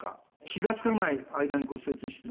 気が付かない間に骨折してて。